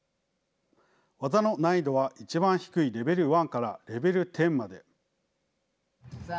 技の難易度は一番低いレベル１からレベル１０まで。